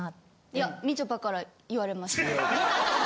いやみちょぱから言われました。